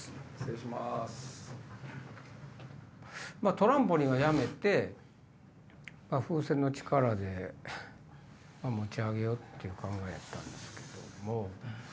トランポリンはやめて風船の力で持ち上げようっていう考えやったんですけども。